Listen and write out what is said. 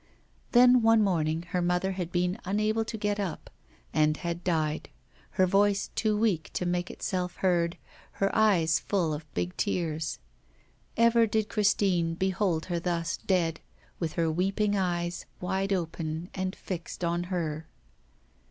Then one morning her mother had been unable to get up, and had died; her voice too weak to make itself heard, her eyes full of big tears. Ever did Christine behold her thus dead, with her weeping eyes wide open and fixed on her.